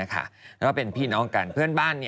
แล้วก็เป็นพี่น้องกันเพื่อนบ้าน